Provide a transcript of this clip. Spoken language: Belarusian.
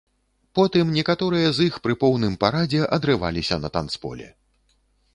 Потым некаторыя з іх пры поўным парадзе адрываліся на танцполе.